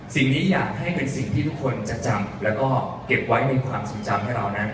สิ่งที่อยากให้เป็นสิ่งที่ทุกคนจะจำแล้วก็เก็บไว้เป็นความทรงจำให้เรานั้น